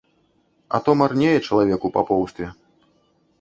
А то марнее чалавек у папоўстве.